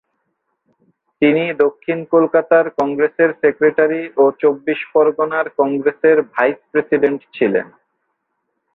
তিনি দক্ষিণ কলকাতার কংগ্রেসের সেক্রেটারি ও চব্বিশ-পরগনার কংগ্রেসের ভাইস-প্রেসিডেন্ট ছিলেন।